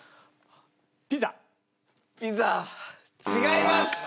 ピザ違います！